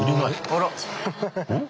あら。